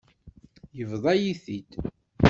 Yebḍa-yi-t-id.